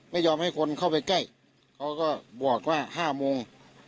ไม่ยอมให้คนเข้าไปใกล้เขาก็บอกว่า๕โมง